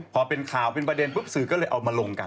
พอเป็นข่าวเป็นประเด็นปุ๊บสื่อก็เลยเอามาลงกัน